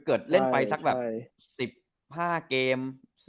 เล่นไปสักแบบ๑๕เกม